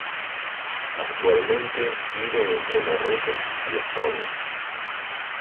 Actualmente vive entre Marruecos y España.